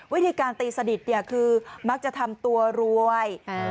วิธีการตีสนิทคือมักจะทำตัวรวย